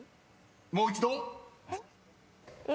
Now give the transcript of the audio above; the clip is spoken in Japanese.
［もう一度］